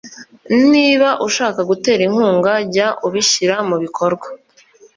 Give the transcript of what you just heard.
niba ushaka gutera inkunga jya ubishyira mu bikorwa